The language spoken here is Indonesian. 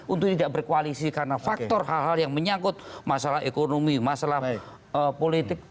untuk tidak berkoalisi karena faktor hal hal yang menyangkut masalah ekonomi masalah politik